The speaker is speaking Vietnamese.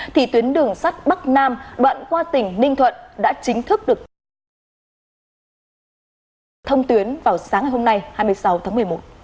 thì tuyến đường sắt bắc nam đoạn qua tỉnh ninh thuận đã chính thức được thông tuyến vào sáng ngày hôm nay hai mươi sáu tháng một mươi một